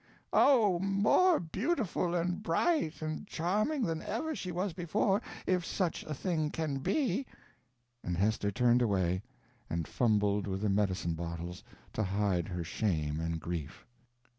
"Oh, more beautiful and bright and charming than ever she was before, if such a thing can be" and Hester turned away and fumbled with the medicine bottles, to hide her shame and grief.